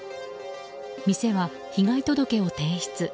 店は被害届を提出。